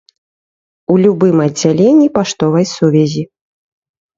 У любым аддзяленні паштовай сувязі.